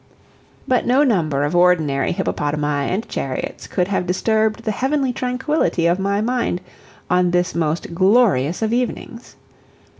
But no number of ordinary hippopotami and chariots could have disturbed the heavenly tranquillity of my mind on this most glorious of evenings.